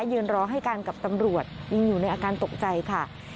ยืนรอให้การกับตำรวจยังอยู่ในอาการตกใจค่ะ